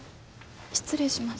失礼します。